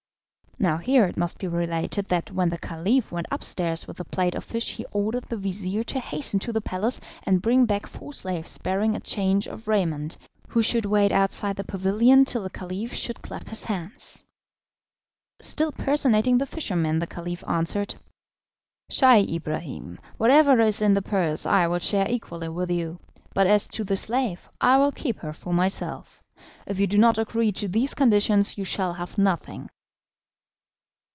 Now here it must be related that when the Caliph went upstairs with the plate of fish he ordered the vizir to hasten to the palace and bring back four slaves bearing a change of raiment, who should wait outside the pavilion till the Caliph should clap his hands. Still personating the fisherman, the Caliph answered: "Scheih Ibrahim, whatever is in the purse I will share equally with you, but as to the slave I will keep her for myself. If you do not agree to these conditions you shall have nothing."